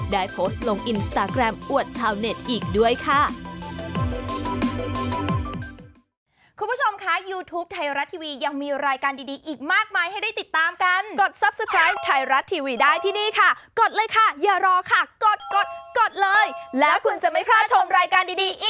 ได้โพสต์ลงอินสตาแกรมอวดชาวเน็ตอีกด้วยค่ะ